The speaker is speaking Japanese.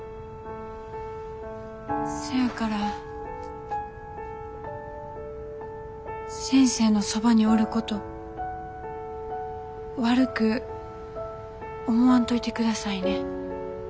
そやから先生のそばにおること悪く思わんといてくださいね。